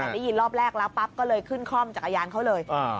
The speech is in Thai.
ได้ยินรอบแรกแล้วปั๊บก็เลยขึ้นคล่อมจักรยานเขาเลย